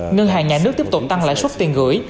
ngân hàng nhà nước tiếp tục tăng lãi suất tiền gửi